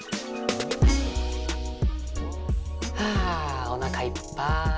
はあおなかいっぱい。